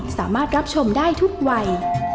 สามารถรับชมได้ทุกวัย